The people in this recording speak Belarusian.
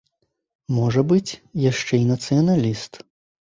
Можа быць, яшчэ і нацыяналіст.